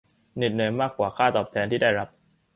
เหน็ดเหนื่อยมากกว่าค่าตอบแทนที่ได้รับ